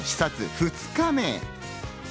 ２日目。